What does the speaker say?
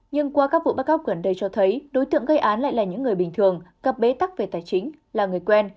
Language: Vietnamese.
nhưng qua các vụ bắt cóc gần đây cho thấy đối tượng gây án lại là những người bình thường cặp bế tắc về tài chính là người quen